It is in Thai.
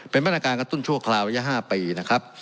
เป็นมาตรการกระตุ้นชั่วคราวระยะ๕ปีนะครับ